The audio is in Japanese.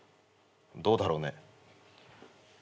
どうだろうね。